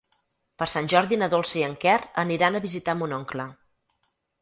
Per Sant Jordi na Dolça i en Quer aniran a visitar mon oncle.